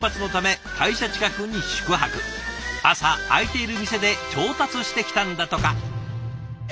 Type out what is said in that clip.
朝開いている店で調達してきたんだとか。